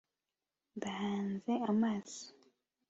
ndahanze amaso